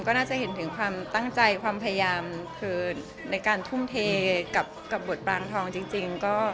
ก็น่าจะเห็นถึงความตั้งใจความพยายามคือในการทุ่มเทกับบทปรางทองจริง